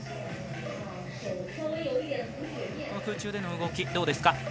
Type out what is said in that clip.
空中での動き、どうですか？